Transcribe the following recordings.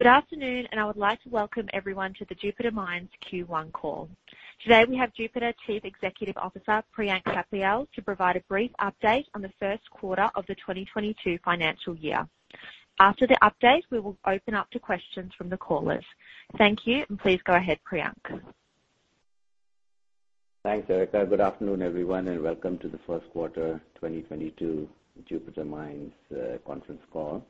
Good afternoon, I would like to welcome everyone to the Jupiter Mines Q1 call. Today, we have Jupiter Chief Executive Officer, Priyank Thapliyal, to provide a brief update on the first quarter of the 2022 financial year. After the update, we will open up to questions from the callers. Thank you, please go ahead, Priyank. Thanks, Erica. Good afternoon, everyone, and welcome to the first quarter 2022 Jupiter Mines conference call.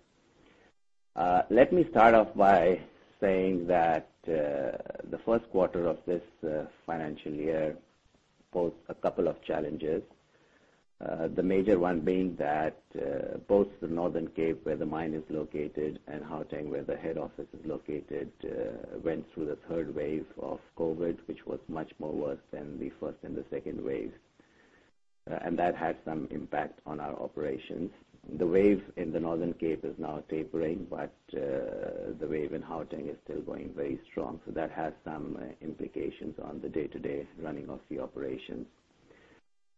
Let me start off by saying that the first quarter of this financial year posed a couple of challenges. The major one being that both the Northern Cape, where the mine is located, and Gauteng, where the head office is located, went through the third wave of COVID, which was much more worse than the first and the second waves. That had some impact on our operations. The wave in the Northern Cape is now tapering, but the wave in Gauteng is still going very strong. That has some implications on the day-to-day running of the operations.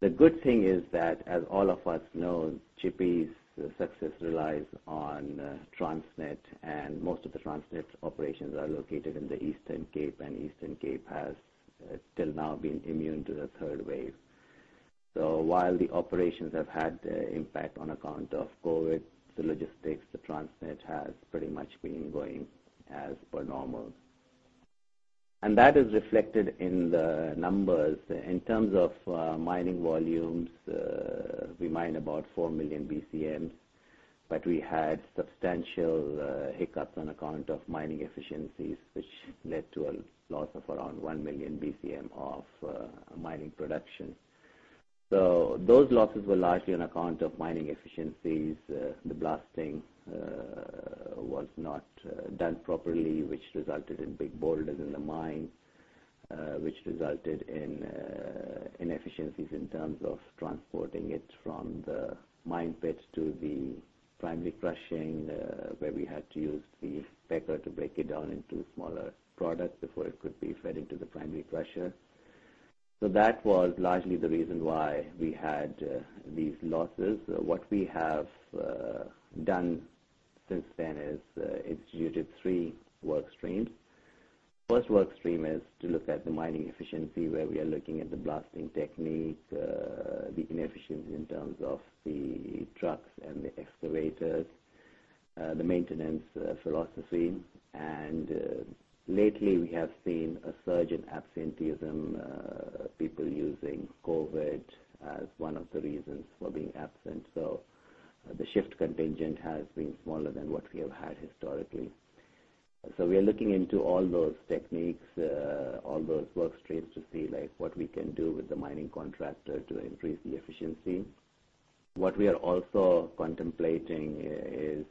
The good thing is that, as all of us know, Tshipi's success relies on Transnet, and most of the Transnet operations are located in the Eastern Cape, and Eastern Cape has till now been immune to the third wave. While the operations have had impact on account of COVID, the logistics, Transnet has pretty much been going as per normal. That is reflected in the numbers. In terms of mining volumes, we mine about 4 million BCM, but we had substantial hiccups on account of mining efficiencies, which led to a loss of around 1 million BCM of mining production. Those losses were largely on account of mining efficiencies. The blasting was not done properly, which resulted in big boulders in the mine, which resulted in inefficiencies in terms of transporting it from the mine pits to the primary crushing, where we had to use the pecker to break it down into smaller products before it could be fed into the primary crusher. That was largely the reason why we had these losses. What we have done since then is instituted three work streams. First work stream is to look at the mining efficiency, where we are looking at the blasting technique, the inefficiency in terms of the trucks and the excavators, the maintenance philosophy, and lately we have seen a surge in absenteeism, people using COVID as one of the reasons for being absent. The shift contingent has been smaller than what we have had historically. We are looking into all those techniques, all those work streams to see what we can do with the mining contractor to increase the efficiency. What we are also contemplating is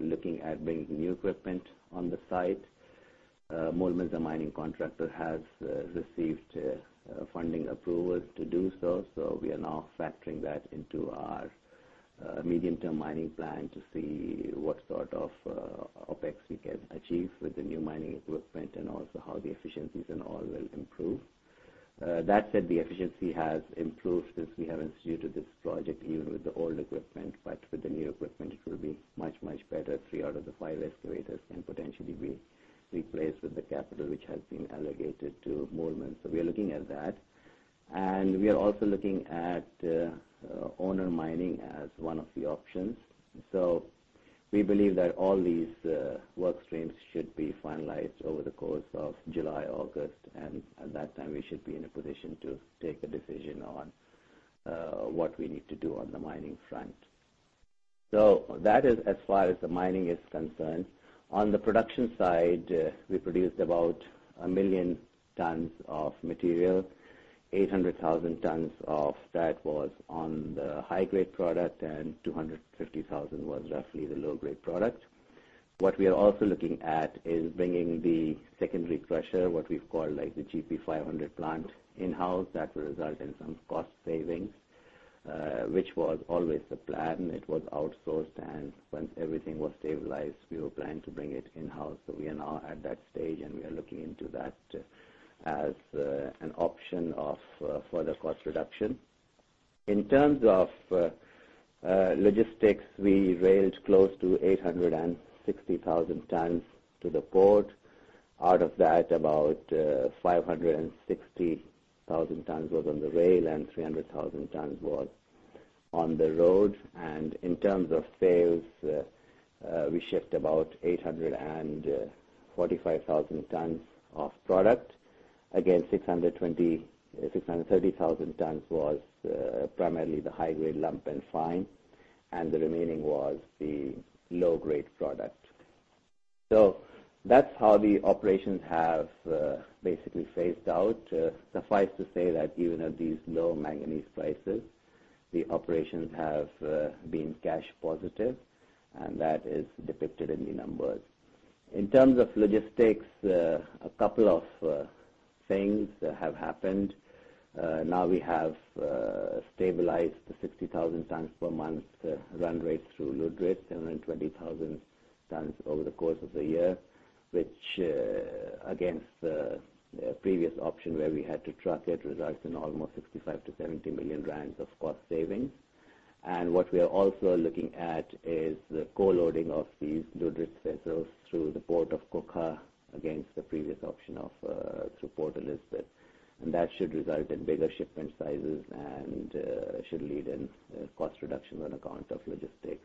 looking at bringing new equipment on the site. Moolmans, the mining contractor, has received funding approvals to do so. We are now factoring that into our medium-term mining plan to see what sort of OpEx we can achieve with the new mining equipment and also how the efficiencies in all will improve. That said, the efficiency has improved since we have instituted this project, even with the old equipment, but with the new equipment, it will be much, much better. Three out of the five excavators can potentially be replaced with the capital which has been allocated to Moolmans. We are looking at that. We are also looking at owner mining as one of the options. We believe that all these work streams should be finalized over the course of July, August, and at that time, we should be in a position to take a decision on what we need to do on the mining front. That is as far as the mining is concerned. On the production side, we produced about 1 million tons of material, 800,000 tons of that was on the high-grade product, and 250,000 was roughly the low-grade product. What we are also looking at is bringing the secondary crusher, what we've called the GP500S plant in-house. That will result in some cost savings, which was always the plan. It was outsourced, and once everything was stabilized, we were planning to bring it in-house. We are now at that stage, and we are looking into that as an option of further cost reduction. In terms of logistics, we railed close to 860,000 tons to the port. Out of that, about 560,000 tons was on the rail and 300,000 tons was on the road. In terms of sales, we shipped about 845,000 tons of product. Again, 630,000 tons was primarily the high-grade lump and fine, and the remaining was the low-grade product. That's how the operations have basically phased out. Suffice to say that even at these low manganese prices, the operations have been cash positive, and that is depicted in the numbers. In terms of logistics, a couple of things have happened. We have stabilized the 60,000 tons per month run rates through Lüderitz, and then 20,000 tons over the course of the year. Against the previous option where we had to truck it, this results in almost 65 million-70 million rand of cost savings. What we are also looking at is the co-loading of these Lüderitz vessels through the Port of Coega against the previous option of through Port Elizabeth, and that should result in bigger shipment sizes and should lead in cost reduction on account of logistics.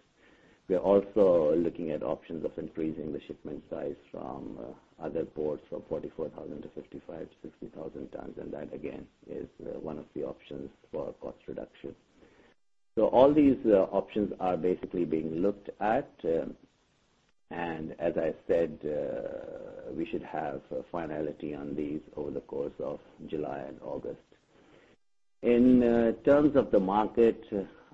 We are also looking at options of increasing the shipment size from other ports from 44,000 to 55,000-60,000 tons, and that again, is one of the options for cost reduction. All these options are basically being looked at. As I said, we should have finality on these over the course of July and August. In terms of the market,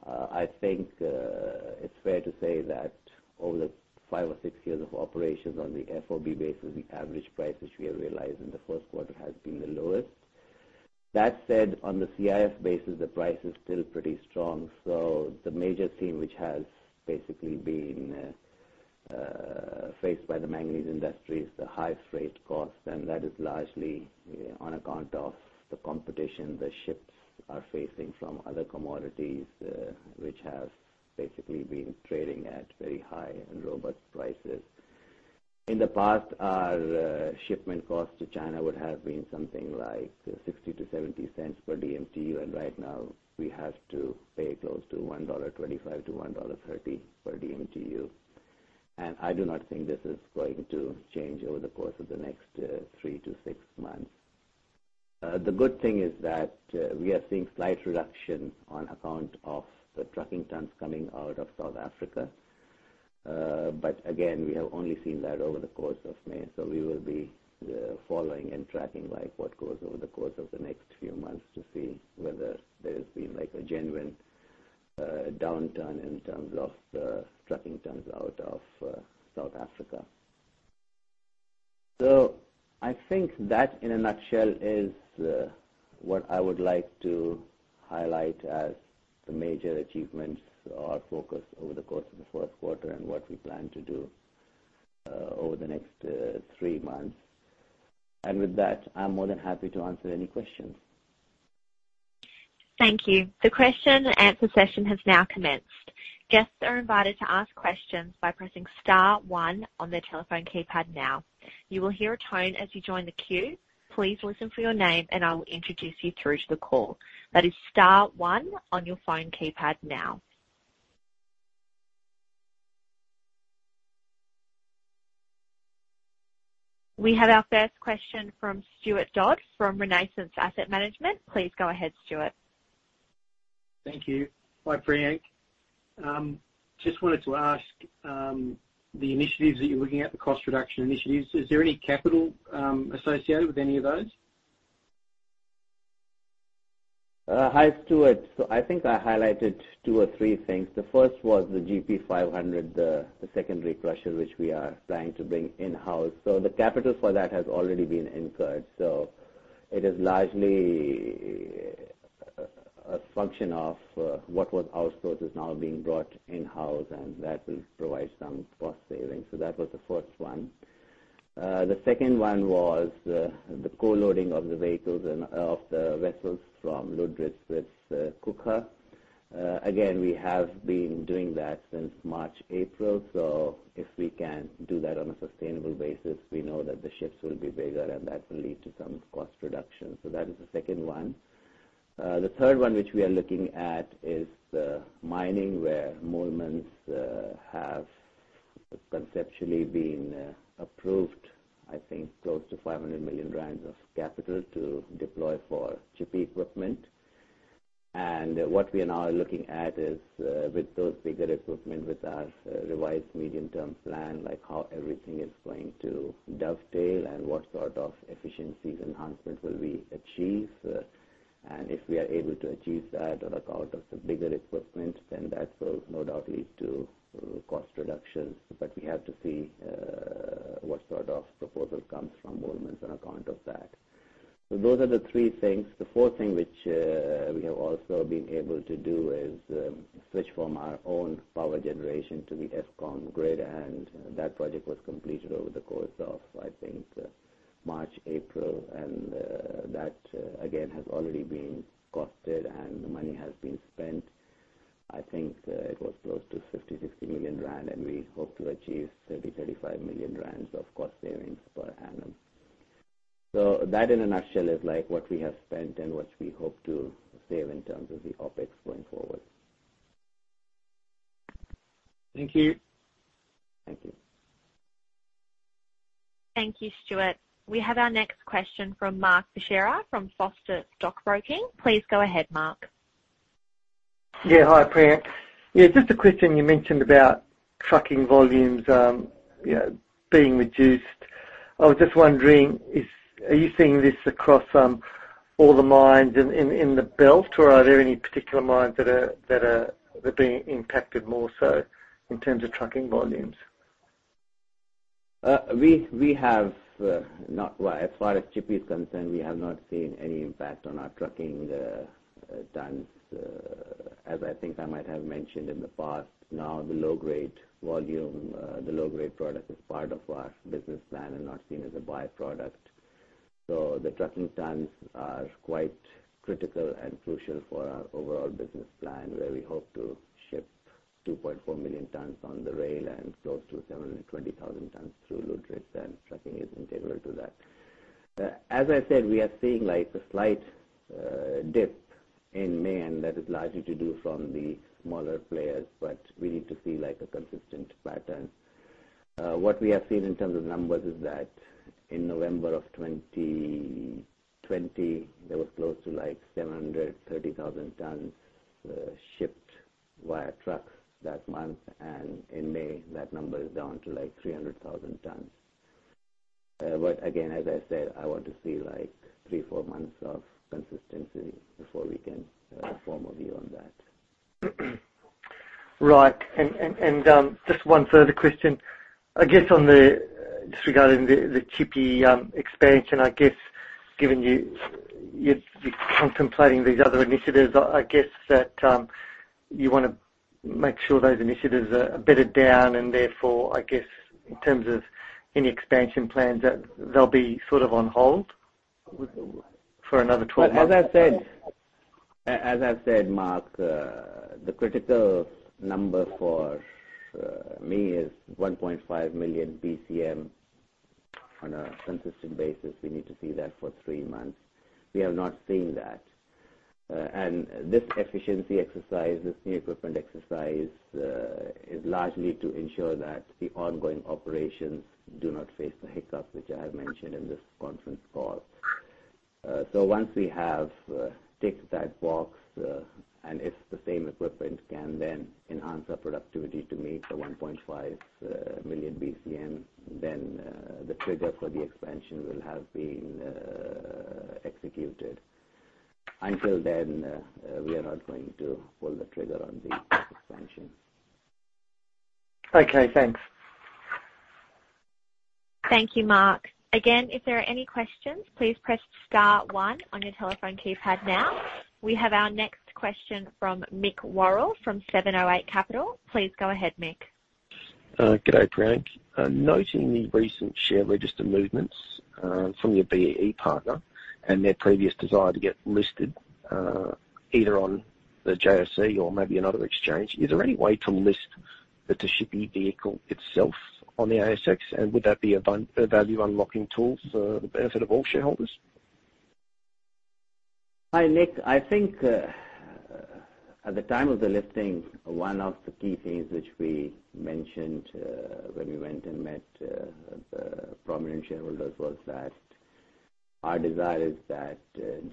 I think, it's fair to say that over the five or six years of operations on the FOB basis, the average prices we have realized in the first quarter has been the lowest. That said, on the CIF basis, the price is still pretty strong. The major theme which has basically been faced by the manganese industry is the high freight cost, and that is largely on account of the competition the ships are facing from other commodities, which have basically been trading at very high and robust prices. In the past, our shipment cost to China would have been something like $0.60-$0.70 per DMTU, and right now we have to pay close to $1.25-$1.30 per DMTU. I do not think this is going to change over the course of the next three to six months. The good thing is that we are seeing slight reduction on account of the trucking tons coming out of South Africa. Again, we have only seen that over the course of May. We will be following and tracking what goes over the course of the next few months to see whether there's been a genuine downturn in terms of the trucking tons out of South Africa. I think that in a nutshell is what I would like to highlight as the major achievements or focus over the course of the first quarter and what we plan to do over the next three months. With that, I'm more than happy to answer any questions. Thank you. The question-and-answer session has now commenced. Guests are invited to ask questions by pressing star one on their telephone keypad now. You will hear a tone as you join the queue. Please listen for your name and I will introduce you through to the call. That is star one on your phone keypad now. We have our first question from Stuart Dodd from Renaissance Asset Management. Please go ahead, Stuart. Thank you. Hi, Priyank. Just wanted to ask, the initiatives that you're looking at, the cost reduction initiatives, is there any capital associated with any of those? Hi, Stuart. I think I highlighted two or three things. The first was the GP500S, the secondary crusher, which we are planning to bring in-house. The capital for that has already been incurred. It is largely a function of what was outsourced is now being brought in-house, and that will provide some cost savings. That was the first one. The second one was the co-loading of the vessels from Lüderitz with Coega. Again, we have been doing that since March, April. If we can do that on a sustainable basis, we know that the ships will be bigger and that will lead to some cost reduction. That is the second one. The third one which we are looking at is mining, where Moolmans have conceptually been approved. I think close to 500 million rand of capital to deploy for Tshipi equipment. What we are now looking at is with those bigger equipment, with our revised medium-term plan, how everything is going to dovetail and what sort of efficiency enhancements will we achieve. If we are able to achieve that on account of the bigger equipment, that will no doubt lead to cost reductions. We have to see what sort of proposal comes from Moolmans on account of that. Those are the three things. The fourth thing which we have also been able to do is switch from our own power generation to the Eskom grid. That project was completed over the course of, I think, March, April. That again, has already been costed and the money has been spent. I think it was close to 50 million-60 million rand, we hope to achieve 30 million-35 million rand of cost savings per annum. That in a nutshell is what we have spent and what we hope to save in terms of the OpEx going forward. Thank you. Thank you. Thank you, Stuart. We have our next question from Mark Basham from Foster Stockbroking. Please go ahead, Mark. Yeah. Hi, Priyank. Just a question. You mentioned about trucking volumes being reduced. I was just wondering, are you seeing this across all the mines in The Belt, or are there any particular mines that are being impacted more so in terms of trucking volumes? As far as Tshipi is concerned, we have not seen any impact on our trucking tons. As I think I might have mentioned in the past, now the low-grade volume, the low-grade product is part of our business plan and not seen as a byproduct. The trucking tons are quite critical and crucial for our overall business plan, where we hope to ship 2.4 million tonnes on the rail and close to 720,000 tonnes through Lüderitz. Trucking is integral to that. As I said, we are seeing a slight dip in May, and that is largely to do from the smaller players, but we need to see a consistent pattern. What we have seen in terms of numbers is that in November of 2020, there were close to 730,000 tonnes shipped via trucks that month. In May, that number is down to 300,000 tonnes. Again, as I said, I want to see three, four months of consistency before we can form a view on that. Right. Just one further question, I guess, just regarding the Tshipi expansion, I guess, given you're contemplating these other initiatives, I guess that you want to make sure those initiatives are bedded down and therefore, I guess, in terms of any expansion plans, that they'll be sort of on hold for another 12 months? As I've said, Mark, the critical number for me is 1.5 million BCM on a consistent basis. We need to see that for three months, we have not seen that. This efficiency exercise, this new equipment exercise, is largely to ensure that the ongoing operations do not face the hiccups which I have mentioned in this conference call. Once we have ticked that box and if the same equipment can then enhance our productivity to meet the 1.5 million BCM, then the trigger for the expansion will have been executed. Until then, we are not going to pull the trigger on the expansion. Okay, thanks. Thank you, Mark. Again, if there are any questions, please press star one on your telephone keypad now. We have our next question from Nick Worrall from 708 Capital. Please go ahead, Nick. G'day, Priyank. Noting the recent share register movements from your BEE partner and their previous desire to get listed either on the JSE or maybe another exchange. Is there any way to list the Tshipi vehicle itself on the ASX, and would that be a value-unlocking tool for the benefit of all shareholders? Hi, Nick. I think at the time of the listing, one of the key things which we mentioned when we went and met the prominent shareholders was that our desire is that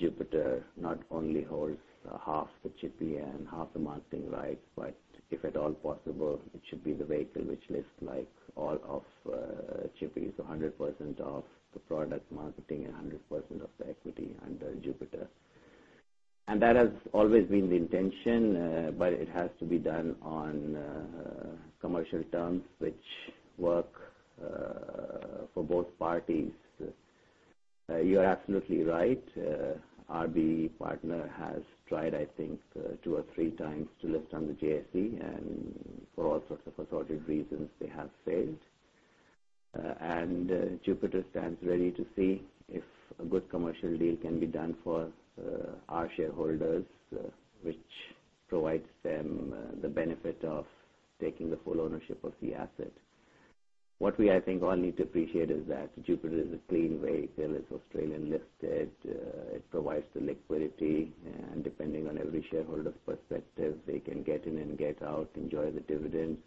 Jupiter not only holds half the Tshipi and half the marketing rights, but if at all possible, it should be the vehicle which lists all of Tshipi, so 100% of the product marketing and 100% of the equity under Jupiter. That has always been the intention, but it has to be done on commercial terms which work for both parties. You're absolutely right. Our BEE partner has tried, I think, two or three times to list on the JSE, and for all sorts of assorted reasons, they have failed. Jupiter stands ready to see if a good commercial deal can be done for our shareholders, which provides them the benefit of taking the full ownership of the asset. What we, I think, all need to appreciate is that Jupiter is a clean vehicle, it's Australian listed, it provides the liquidity, and depending on every shareholder's perspective, they can get in and get out, enjoy the dividends,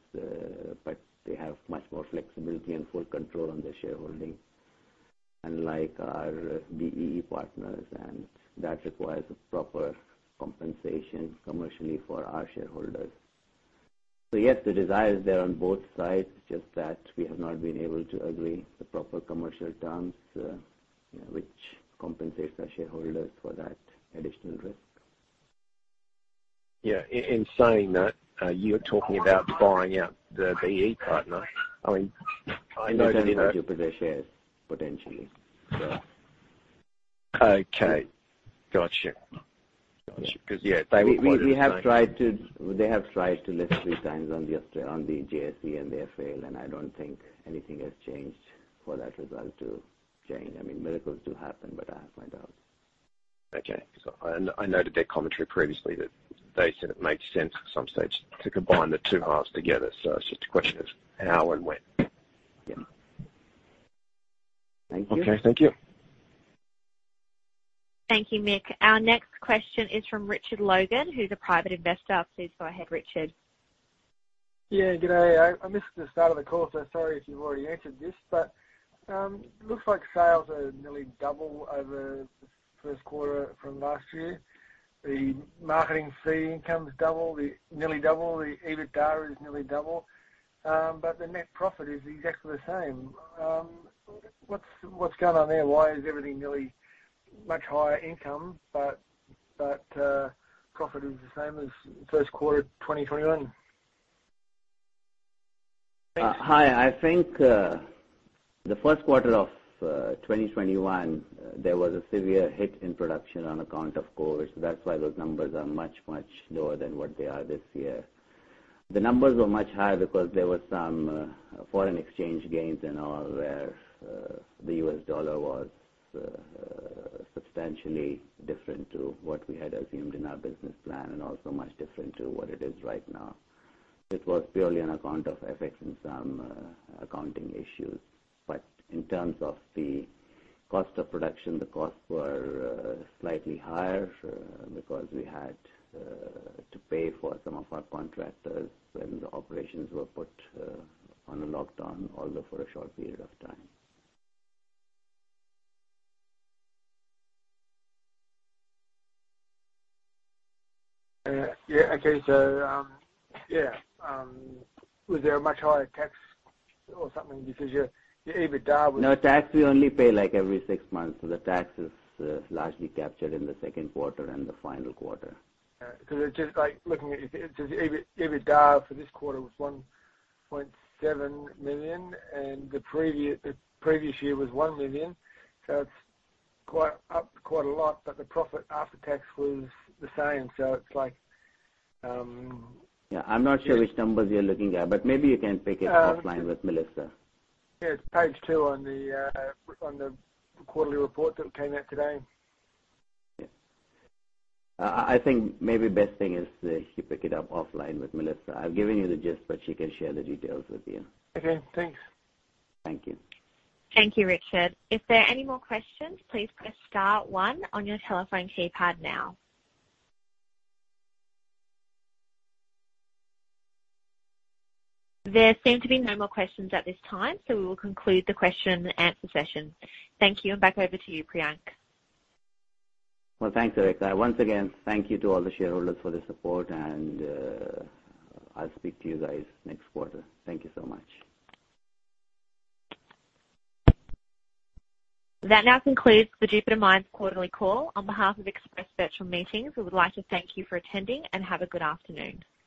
but they have much more flexibility and full control on their shareholding, unlike our BEE partners, and that requires a proper compensation commercially for our shareholders. Yes, the desire is there on both sides. It's just that we have not been able to agree the proper commercial terms which compensate our shareholders for that additional risk. Yeah. In saying that, you're talking about buying out the BEE partner. I'm talking about Jupiter shares, potentially. Okay. Got you. They have tried to list 3x on the JSE and they've failed. I don't think anything has changed for that result to change. I mean, miracles do happen, but I have my doubts. Okay. I noted their commentary previously that they said it makes sense at some stage to combine the two halves together. It's just a question of how and when. Yeah. Thank you. Okay, thank you. Thank you, Nick. Our next question is from Richard Logan, who's a private investor. Please go ahead, Richard. Yeah. G'day. I missed the start, of course. I'm sorry if you've already answered this, but it looks like sales are nearly double over the first quarter from last year. The marketing fee income's double, nearly double. The EBITDA is nearly double. The net profit is exactly the same. What's going on there? Why is everything nearly much higher income, but profit is the same as first quarter 2021? Hi. I think the first quarter of 2021, there was a severe hit in production on account of COVID. That's why those numbers are much, much lower than what they are this year. The numbers were much higher because there were some foreign exchange gains and all where the US dollar was substantially different to what we had assumed in our business plan and also much different to what it is right now. It was purely on account of FX and some accounting issues. In terms of the cost of production, the costs were slightly higher because we had to pay for some of our contractors when the operations were put on a lockdown, although for a short period of time. Okay. Was there a much higher tax or something? Because your EBITDA was. No, tax we only pay every six months. The tax is largely captured in the second quarter and the final quarter. Just looking at it, the EBITDA for this quarter was 1.7 million and the previous year was 1 million, so it's up quite a lot. The profit after tax was the same. It's like. I'm not sure which numbers you're looking at, but maybe you can pick it offline with Melissa. Yeah, it's page 2 on the quarterly report that came out today. Yeah. I think maybe the best thing is if you pick it up offline with Melissa. I've given you the gist, but she can share the details with you. Okay, thanks. Thank you. Thank you, Richard. If there are any more questions, please press star one on your telephone keypad now. There seem to be no more questions at this time, so we will conclude the question-and-answer session. Thank you, and back over to you, Priyank. Well, thanks, Erica. Once again, thank you to all the shareholders for the support, and I'll speak to you guys next quarter. Thank you so much. That now concludes the Jupiter Mines quarterly call. On behalf of the virtual meetings, we would like to thank you for attending and have a good afternoon.